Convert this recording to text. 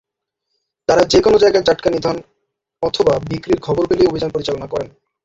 তারা যেকোনো জায়গায় জাটকা নিধন অথবা বিক্রির খবর পেলেই অভিযান পরিচালনা করেন।